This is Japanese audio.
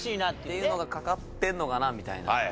っていうのがかかってるのかなみたいな。